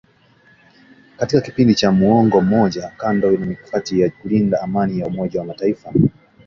katika kipindi cha muongo mmoja kando na mikakati ya kulinda Amani ya Umoja wa mataifa